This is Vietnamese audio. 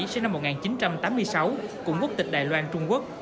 sinh năm một nghìn chín trăm tám mươi sáu cùng quốc tịch đài loan trung quốc